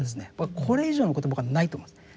これ以上のことは僕はないと思うんです。